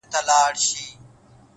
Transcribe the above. داسي يوه چا لكه سره زر تر ملا تړلى يم.